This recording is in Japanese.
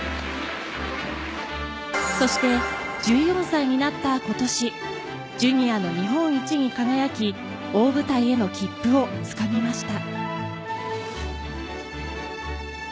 そして１４歳になった今年ジュニアの日本一に輝き大舞台への切符をつかみました。